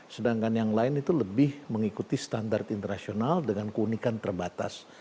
sedangkan yang lain itu lebih mengikuti standar internasional dengan keunikan terbatas